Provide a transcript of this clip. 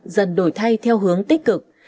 dần đổi thay theo hướng tích cực